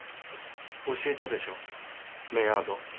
教えたでしょメアド。